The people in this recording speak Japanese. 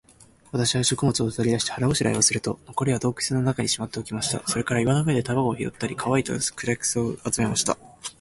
私は食物を取り出して、腹ごしらえをすると、残りは洞穴の中にしまっておきました。それから岩の上で卵を拾ったり、乾いた枯草を集めました。